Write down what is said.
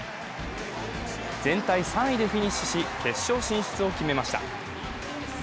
全体３位でフィニッシュし、決勝進出を決めました。